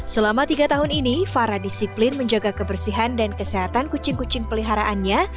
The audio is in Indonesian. selama tiga tahun ini farah disiplin menjaga kebersihan dan kesehatan kucing kucing peliharaannya